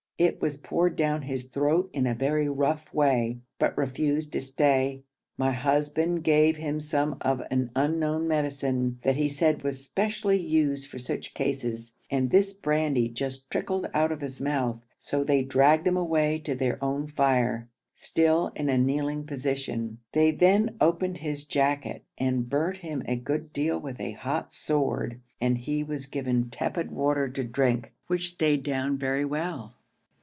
It was poured down his throat in a very rough way, but refused to stay. My husband gave him some of an unknown medicine, that he said was specially used for such cases, and this brandy just trickled out of his mouth, so they dragged him away to their own fire, still in a kneeling position. They then opened his jacket and burnt him a good deal with a hot sword, and he was given tepid water to drink, which stayed down very well.